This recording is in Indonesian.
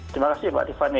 terima kasih mbak tiffany